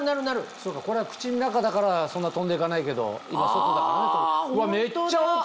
そうかこれは口の中だからそんな飛んで行かないけど今外だからめっちゃ奥まで！